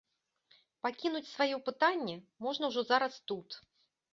Пакінуць сваё пытанне можна ўжо зараз тут.